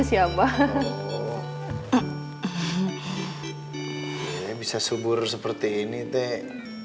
eh bisa subur seperti ini teh